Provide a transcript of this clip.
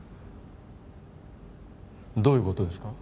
どういうことですか？